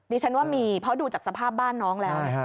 ดิฉันว่ามีเพราะดูจากสภาพบ้านน้องแล้ว